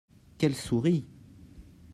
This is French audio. Qu'elle sourit !